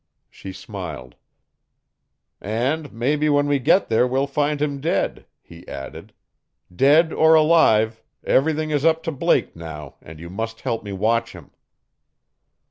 She smiled. "And mebby when we get there we'll find him dead," he added. "Dead or alive, everything is up to Blake now and you must help me watch him."